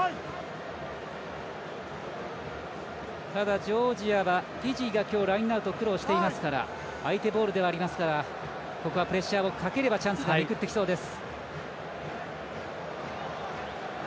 ただ、ジョージアはフィジーが今日ラインアウト苦労していますから相手ボールではありますがここはプレッシャーをかければチャンスが巡ってきそうです。